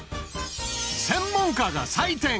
専門家が採点